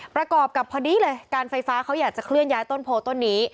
ประกอบกับพอดีเลยการไฟฟ้าเขาอยากจะเคลื่อนย้ายต้นโพต้นนี้